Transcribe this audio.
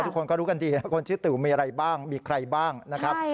ทุกคนก็รู้กันดีนะคนชื่อติ๋วมีอะไรบ้างมีใครบ้างนะครับ